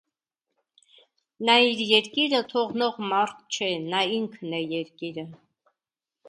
Նա իր երկիրը թողնող մարդ չէ, նա ինքն է երկիրը: